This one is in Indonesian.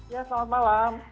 ya selamat malam